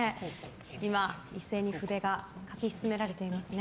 今、一斉に筆が書き進められていますね。